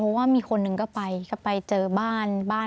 เพราะว่ามีคนนึงก็ไปเจอบ้าน